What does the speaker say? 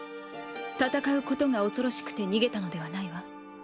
戦うことが恐ろしくて逃げたのではないわ。